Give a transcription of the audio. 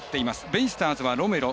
ベイスターズはロメロ。